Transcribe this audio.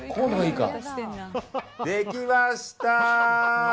できました！